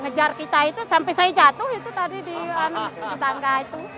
ngejar kita itu sampai saya jatuh itu tadi di tangga itu